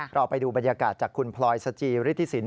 เราไปดูบรรยากาศจากคุณพลอยสจีริฐศิลป์